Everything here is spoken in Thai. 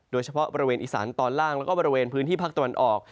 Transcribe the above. โดยเฉพาะบริเวณอีสานตอนล่างแล้วก็บริเวณพื้นที่ภาคตะวันออก